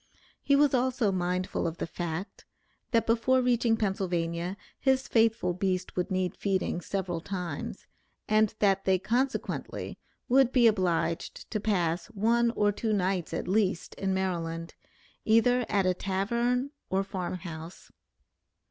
He was also mindful of the fact, that, before reaching Pennsylvania, his faithful beast would need feeding several times, and that they consequently would be obliged to pass one or two nights at least in Maryland, either at a tavern or farm house.